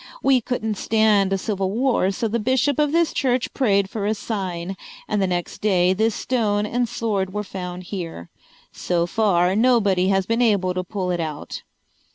We couldn't stand a civil war so the bishop of this church prayed for a sign, and the next day this stone and sword were found here. So far nobody has been able to pull it out."